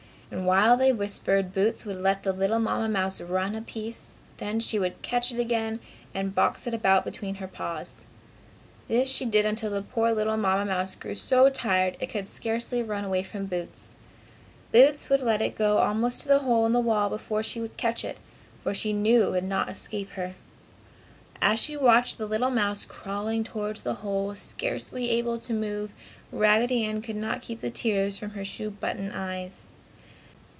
And while they whispered Boots would let the little Mamma mouse run a piece, then she would catch it again and box it about between her paws. This she did until the poor little Mamma mouse grew so tired it could scarcely run away from Boots. Boots would let it get almost to the hole in the wall before she would catch it, for she knew it would not escape her. As she watched the little mouse crawling towards the hole scarcely able to move, Raggedy Ann could not keep the tears from her shoe button eyes.